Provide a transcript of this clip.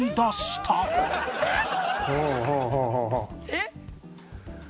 「えっ！」